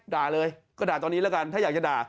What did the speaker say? ด่าเลยก็ด่าตอนนี้แล้วกันถ้าอยากจะด่า